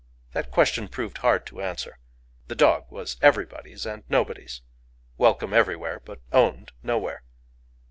That question proved hard to answer. The dog was everybody's and nobody's—welcome everywhere but owned nowhere.